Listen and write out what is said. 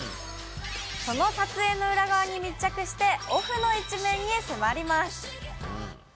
その撮影の裏側に密着してオフの一面に迫ります。